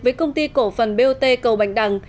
với công ty cổ phần bot cầu bạch đằng